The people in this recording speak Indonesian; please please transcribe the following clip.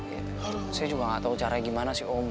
ya saya juga gak tau caranya gimana sih om